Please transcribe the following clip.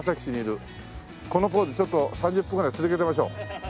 このポーズちょっと３０分ぐらい続けてみましょう。